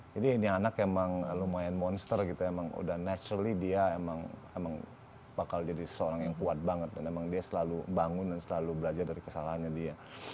jadi ini anak emang lumayan monster gitu emang udah naturally dia emang bakal jadi seseorang yang kuat banget dan emang dia selalu bangun dan selalu belajar dari kesalahannya dia